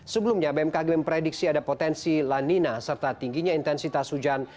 sebelumnya bmkg memprediksi ada potensi lanina serta tingginya intensitas hujan